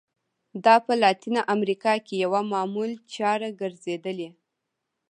دا په لاتینه امریکا کې یوه معمول چاره ګرځېدلې.